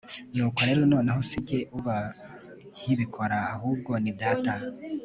nuko rero noneho si jye uba nkibikora ahubwo ni data